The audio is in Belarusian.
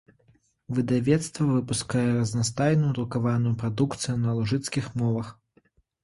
Выдавецтва выпускае разнастайную друкаваную прадукцыю на лужыцкіх мовах.